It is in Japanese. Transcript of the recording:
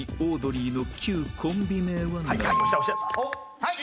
はい！